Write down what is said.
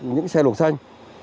những xe lục xanh